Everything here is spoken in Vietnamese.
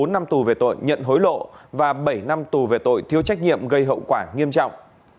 bốn năm tù về tội nhận hối lộ và bảy năm tù về tội thiếu trách nhiệm gây hậu quả nghiêm trọng